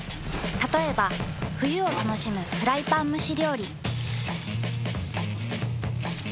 たとえば冬を楽しむフライパン蒸し料理。